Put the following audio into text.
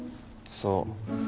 そう。